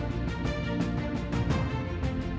bintang yang menerbang